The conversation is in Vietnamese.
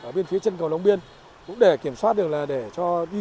ở bên phía chân cầu long biên cũng để kiểm soát được là để cho đi